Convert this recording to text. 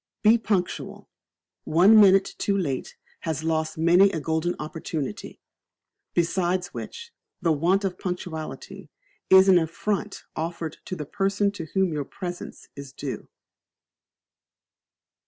Be Punctual. One minute too late has lost many a golden opportunity. Besides which, the want of punctuality is an affront offered to the person to whom your presence is due.